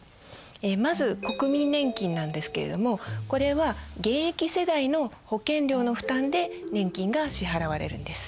まず国民年金なんですけれどもこれは現役世代の保険料の負担で年金が支払われるんです。